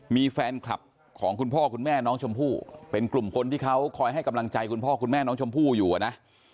มีแฟนคลับของคุณพ่อคุณแม่น้องชมพู่เป็นกลุ่มคนที่เขาคอยให้กำลังใจคุณพ่อคุณแม่น้องชมพู่อยู่นะ